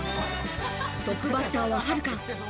トップバッターは、はるか。